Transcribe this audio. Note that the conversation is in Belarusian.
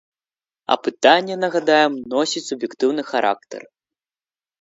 Апытанне, нагадаем, носіць суб'ектыўны характар.